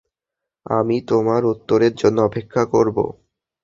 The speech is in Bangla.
আমি তোমার উত্তরের জন্য অপেক্ষা করবো।